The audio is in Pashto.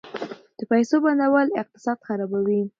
د پیسو بندول اقتصاد خرابوي.